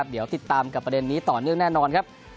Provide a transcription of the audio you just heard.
เดี๋ยวติดตามกับประเด็นนี้ต่อเนื่องแน่นอนครับ